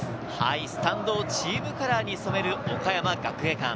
スタンドをチームカラーに染める岡山学芸館。